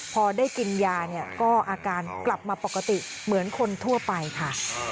พอได้กินยาเนี่ยก็อาการกลับมาปกติเหมือนคนทั่วไปค่ะ